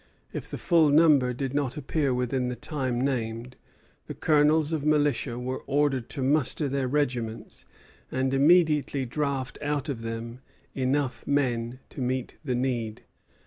If the full number did not appear within the time named, the colonels of militia were ordered to muster their regiments, and immediately draft out of them men enough to meet the need.